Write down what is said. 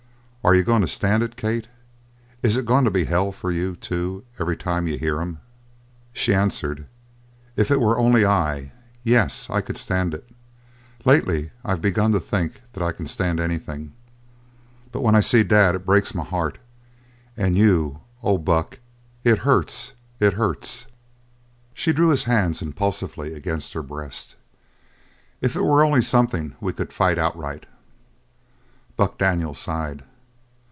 "Are you going to stand it, Kate? Is it going to be hell for you, too, every time you hear 'em?" She answered: "If it were only I! Yes, I could stand it. Lately I've begun to think that I can stand anything. But when I see Dad it breaks my heart and you oh, Buck, it hurts, it hurts!" She drew his hands impulsively against her breast. "If it were only something we could fight outright!" Buck Daniels sighed.